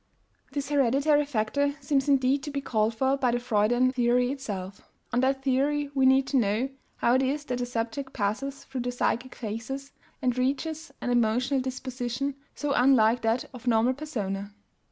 This hereditary factor seems indeed to be called for by the Freudian theory itself. On that theory we need to know how it is that the subject passes through psychic phases, and reaches an emotional disposition, so unlike that of normal persona.